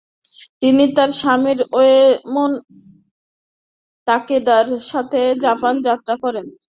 তিনি তার স্বামী ওয়েমন তাকেদার সাথে জাপান যাত্রা করেন।